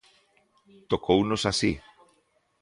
Tocounos así.